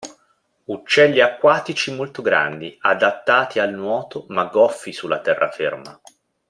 Uccelli acquatici molto grandi, adattati al nuoto, ma goffi sulla terraferma.